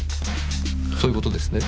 そういう事ですね？